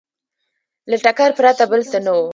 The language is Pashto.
له ټکر پرته بل څه نه وو